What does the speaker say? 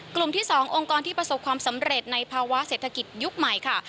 กลุ่มที่๒องค์กรที่ประสบความสำเร็จในภาวะเศรษฐกิจยุคใหม่ค่ะ